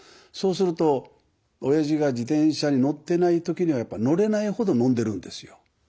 そうするとおやじが自転車に乗ってない時には乗れないほど飲んでるんですよ。